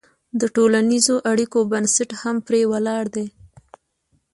د ټولنیزو اړیکو بنسټ هم پرې ولاړ دی.